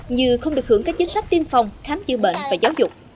như không được hưởng các chính sách tiêm phòng khám chữa bệnh và giáo dục